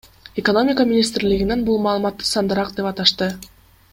Экономика министрлигинен бул маалыматты сандырак деп аташты.